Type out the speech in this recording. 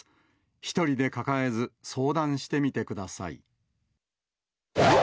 １人で抱えず、相談してみてください。